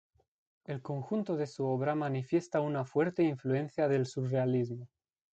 El conjunto de su obra manifiesta una fuerte influencia del surrealismo.